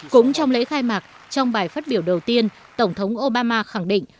cũng trong lễ khai mạc trong bài phát biểu đầu tiên tổng thống obama khẳng định